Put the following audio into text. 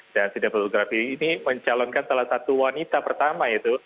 dan sinematografi ini mencalonkan salah satu wanita pertama itu